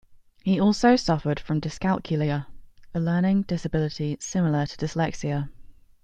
He also suffered from dyscalculia, a learning disability similar to dyslexia.